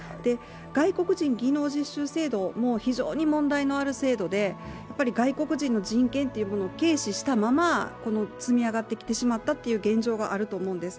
外国人技能実習制度も非常に問題のある制度で外国人の人権というものを軽視したまま積み上がってきてしまった現状があると思うんです。